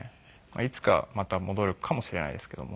いつかまた戻るかもしれないですけども。